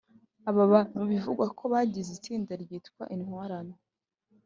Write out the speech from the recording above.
aba bantu bivugwa ko bagize itsinda ryitwa intwarane